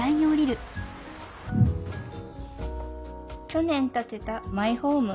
去年建てたマイホーム。